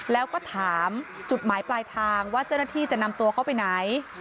แล้วก็ถามจุดหมายปลายทางว่าเจ้าหน้าที่จะนำตัวเขาไปไหน